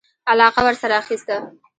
علاقه ورسره اخیسته.